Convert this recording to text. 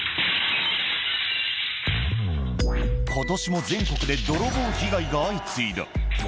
今年も全国で泥棒被害が相次いだ。